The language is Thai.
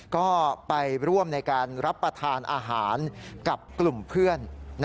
ก็ไปร่วมในการรับประทานอาหารกับกลุ่มเพื่อน